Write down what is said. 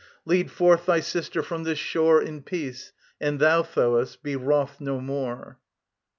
Lead forth thy sister from this shore In peace; and thou, Thoas, be wroth no more.